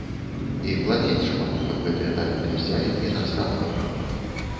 І плаціць шмат, каб гэтыя таленты ззялі і нас радавалі.